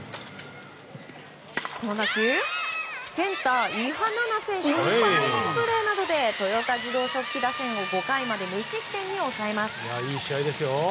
この打球センター、伊波菜々選手のファインプレーなどで豊田自動織機打線を５回まで無失点に抑えます。